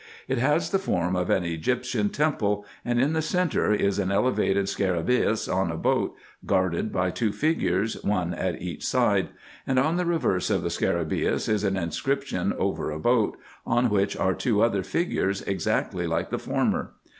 It has the form of an Egyptian temple, and in the centre is an elevated scarabaeus on a boat, guarded by two figures, one at each side ; and on the reverse of the scarabteus is an inscription over a boat, on which are two other figures, exactly like the former.